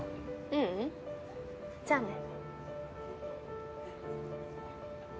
ううんじゃあね。